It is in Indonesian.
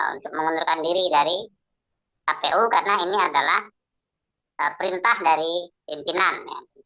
untuk mengundurkan diri dari kpu karena ini adalah perintah dari pimpinan